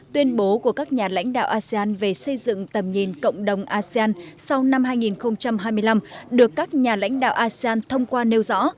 tuyên bố của các nhà lãnh đạo asean về xây dựng tầm nhìn cộng đồng asean sau năm hai nghìn hai mươi năm được các nhà lãnh đạo asean thông qua nêu rõ